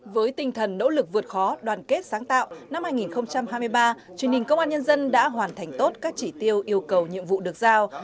với tinh thần nỗ lực vượt khó đoàn kết sáng tạo năm hai nghìn hai mươi ba truyền hình công an nhân dân đã hoàn thành tốt các chỉ tiêu yêu cầu nhiệm vụ được giao